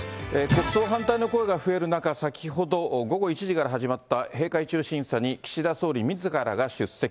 国葬反対の声が増える中、先ほど午後１時から始まった閉会中審査に、岸田総理みずからが出席。